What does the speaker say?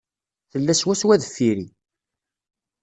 Tella swaswa deffir-i.